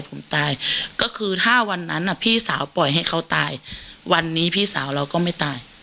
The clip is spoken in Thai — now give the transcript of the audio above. ผมตายก็คือถ้าวันนั้นพี่สาวปล่อยให้เขาตายวันนี้พี่สาวเราก็ไม่ตาย